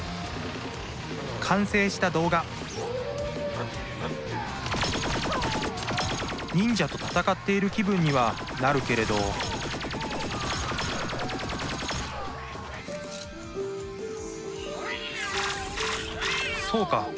完成した動画忍者と戦っている気分にはなるけれどそうか。